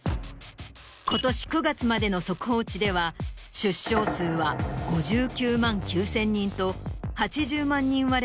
今年９月までの速報値では出生数は５９万９０００人と。